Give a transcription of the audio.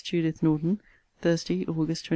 JUDITH NORTON THURSDAY, AUG. 24.